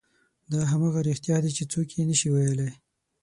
دا همغه رښتیا دي چې څوک یې نه شي ویلی.